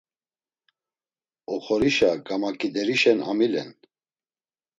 Oxorişa gamaǩiderişen amilen.